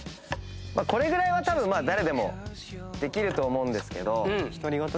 これぐらいはたぶん誰でもできると思うんですけど。